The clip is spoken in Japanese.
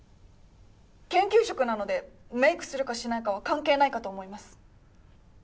研究職なのでメイクするかしないかは関係ないかと思います。